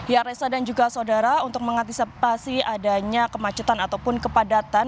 ya reza dan juga saudara untuk mengantisipasi adanya kemacetan ataupun kepadatan